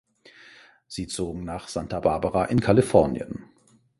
Sie zogen nach Santa Barbara in Kalifornien.